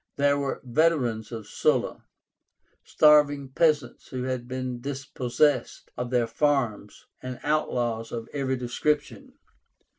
There were veterans of Sulla, starving peasants who had been dispossessed of their farms, and outlaws of every description.